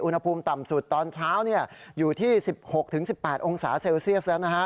อุณหภูมิต่ำสุดตอนเช้าอยู่ที่๑๖๑๘องศาเซลเซียสแล้วนะฮะ